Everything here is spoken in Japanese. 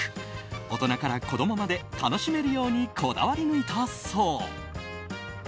大人から子供まで楽しめるようにこだわり抜いたそう。